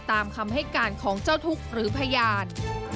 ตามคำให้การของเจ้าทุกข์หรือพยาน